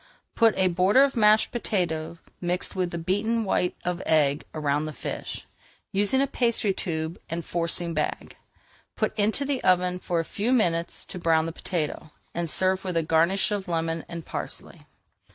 Put a border of mashed potato mixed with the beaten white of egg around the fish, using a pastry tube and forcing bag. Put into the oven for a few minutes to brown the potato, and serve with a garnish of lemon and parsley.